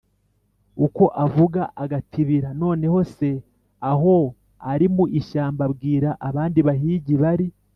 uko avuga agatibira. noneho se aho ari mu ishyamba, abwira abandi bahigi bari